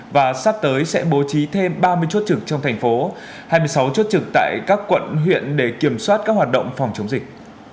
và sắp tới sẽ bố trí thêm ba mươi chốt trực trong thành phố hai mươi sáu chốt trực tại các quận huyện để kiểm soát các hoạt động phòng chống dịch